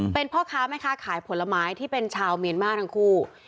เป็นพ่อค้าแม่ค้าขายผลไม้ที่เป็นชาวเมียนมาร์ทั้งคู่